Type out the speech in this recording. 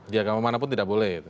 di agama manapun tidak boleh